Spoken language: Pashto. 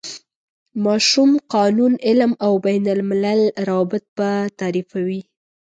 ماشوم، قانون، علم او بین الملل روابط به تعریفوي.